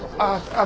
ああ。